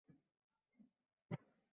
ওহ, wow কিসের অবসর?